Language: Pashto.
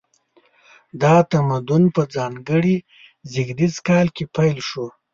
دا تمدن په ځانګړي زیږدیز کال کې پیل شو.